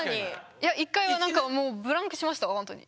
いや１回は何かもうブランクしましたほんとに。